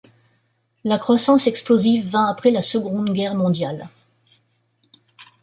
La croissance explosive vint après la Seconde Guerre Mondiale.